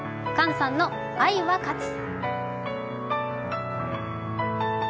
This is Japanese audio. ＫＡＮさんの「愛は勝つ」。